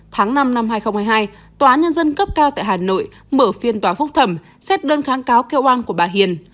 tháng năm năm hai nghìn hai mươi hai tòa án nhân dân cấp cao tại hà nội mở phiên tòa phúc thẩm xét đơn kháng cáo kêu an của bà hiền